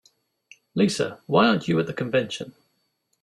Lisa, why aren't you at the convention?